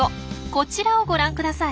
こちらをご覧ください。